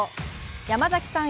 山崎さん